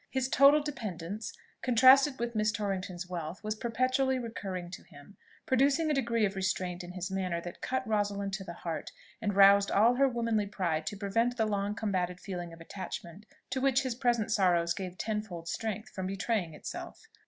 His total dependence, contrasted with Miss Torrington's wealth, was perpetually recurring to him, producing a degree of restraint in his manner that cut Rosalind to the heart, and roused all her womanly pride to prevent the long combated feeling of attachment to which his present sorrows gave tenfold strength from betraying itself.